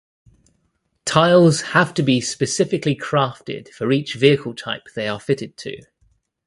Tiles have to be specifically crafted for each vehicle type they are fitted to.